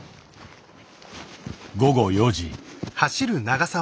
午後４時。